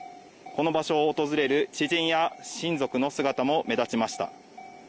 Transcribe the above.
この場所を訪れる知人や親族の姿も目立ちました。